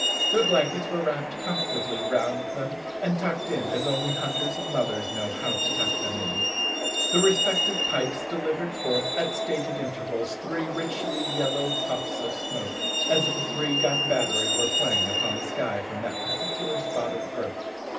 Their blankets were wrapped comfortably round them, and tucked in as only hunters and mothers know how to tuck them in. Their respective pipes delivered forth, at stated intervals, three richly yellow puffs of smoke, as if a three gun battery were playing upon the sky from that particular spot of earth.